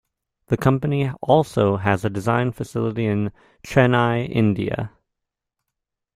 The company also has a design facility in Chennai, India.